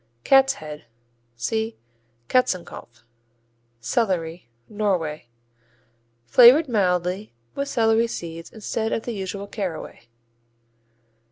Cat's Head see Katzenkopf. Celery Norway Flavored mildly with celery seeds, instead of the usual caraway.